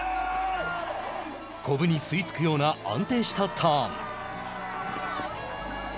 こぶに吸いつくような安定したターン。